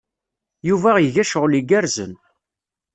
Yuba iga cɣel igerrzen.